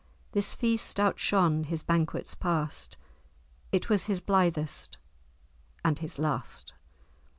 This feast outshone his banquets past; It was his blithest and his last."